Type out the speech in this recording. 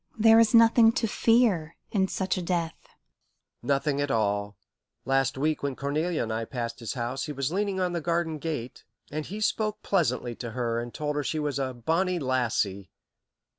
"There is nothing to fear in such a death." "Nothing at all. Last week when Cornelia and I passed his house, he was leaning on the garden gate, and he spoke pleasantly to her and told her she was a 'bonnie lassie.'